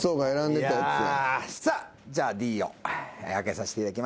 じゃあＤを開けさせていただきますね。